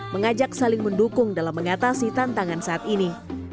mengajak saling mendukung dalam mengatasi tantangan saat ini